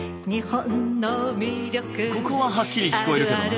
ここははっきり聞こえるけどな。